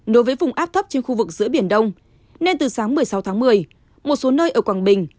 nối với vùng áp thấp trên khu vực giữa biển đông nên từ sáng một mươi sáu tháng một mươi một số nơi ở quảng bình